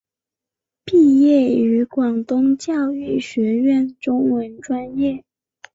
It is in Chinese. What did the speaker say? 毕业于广东教育学院中文专业。